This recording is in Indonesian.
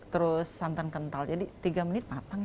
terus santan kental jadi tiga menit matang